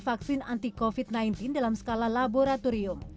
vaksin anti covid sembilan belas dalam skala laboratorium